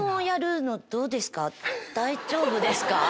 大丈夫ですか？